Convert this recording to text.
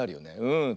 うん。